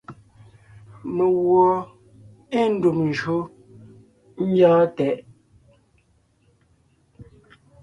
Meguɔ ée ndùm njÿó ńgyɔ́ɔn tɛʼ.